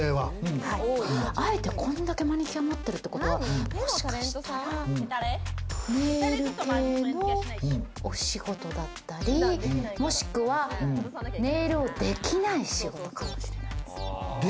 あえて、こんだけマニキュア持ってるってことはもしかしたら、ネイル系のお仕事だったり、もしくは、ネイルをできない仕事かもしれないですね。